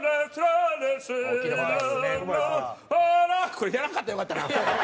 これやらんかったらよかったな！